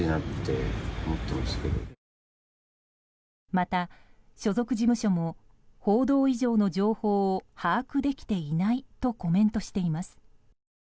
また、所属事務所も報道以上の情報を把握できていないとコメントしています。